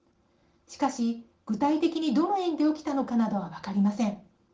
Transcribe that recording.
しかし、具体的にどの園で起きたのかなどは分かりません。